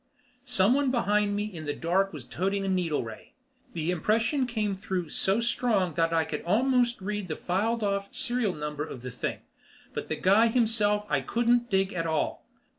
Someone behind me in the dark was toting a needle ray. The impression came through so strong that I could almost read the filed off serial number of the thing, but the guy himself I couldn't dig at all.